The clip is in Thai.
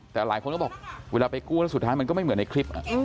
แต่หลายคนก็บอกเวลาไปกู้แล้วสุดท้ายมันก็ไม่เหมือนในคลิป